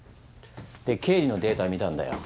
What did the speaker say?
で経理のデータ見たんだよ。